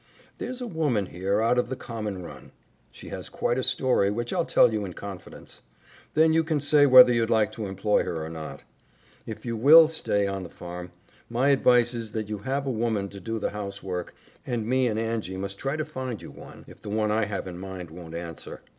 There's a woman here out of the common run. She has quite a story, which I'll tell you in confidence. Then you can say whether you'd like to employ her or not. If you WILL stay on the farm, my advice is that you have a woman to do the housework, and me and Angy must try to find you one, if the one I have in mind won't answer.